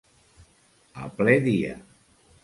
A ple dia.